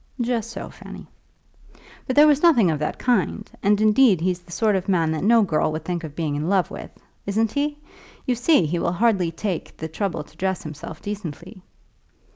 "Just so, Fanny." "But there was nothing of that kind; and, indeed, he's the sort of man that no girl would think of being in love with, isn't he? You see he will hardly take the trouble to dress himself decently."